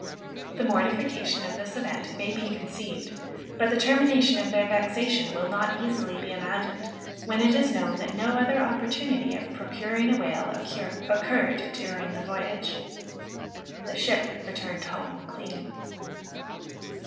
The mortification of this event may be conceived, but the termination of their vexation will not easily be imagined, when it is known, that no other opportunity of procuring a whale occurred during the voyage. The ship returned home clean.